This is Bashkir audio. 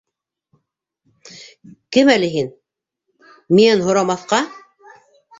Кем әле һин... минән һорамаҫҡа?!